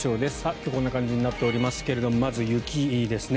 今日はこんな感じになっておりますけどもまず雪ですね。